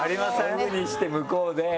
オフにして向こうで。